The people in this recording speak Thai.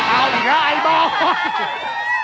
เอาหน่าไอบอง